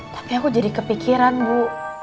tapi aku jadi kepikiran bu